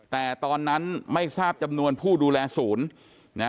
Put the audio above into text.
แต่ตอนนั้นไม่ทราบจำนวนผู้ดูแลศูนย์นะ